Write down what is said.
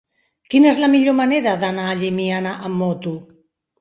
Quina és la millor manera d'anar a Llimiana amb moto?